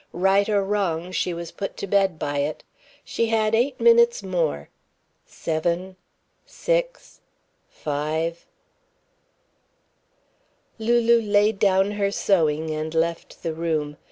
Right or wrong, she was put to bed by it. She had eight minutes more seven six five Lulu laid down her sewing and left the room.